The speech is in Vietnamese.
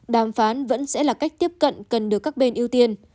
đàm phán vẫn sẽ là cách tiếp cận cần được các bên ưu tiên